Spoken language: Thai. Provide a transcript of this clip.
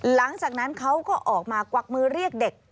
หลังจากนั้นเขาก็ออกมากวักมือเรียกเด็ก